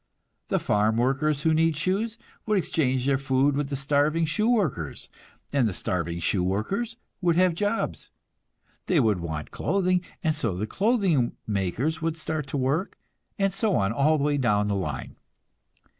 The farm workers who need shoes would exchange their food with the starving shoe workers, and the starving shoe workers would have jobs. They would want clothing, and so the clothing makers would start to work; and so on all the way down the line.